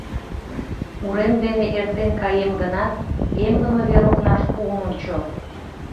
Урем дене эртен каем гынат, эмлыме вер окнаш ом ончо.